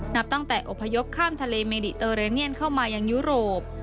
นับตั้งแต่อพยพข้ามทะเลเมดิเตอร์เรเนียนเข้ามายังยุโรป